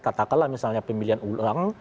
katakanlah misalnya pemilihan ulang